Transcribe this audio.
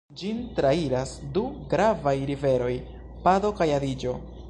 Ĝin trairas du gravaj riveroj, Pado kaj Adiĝo.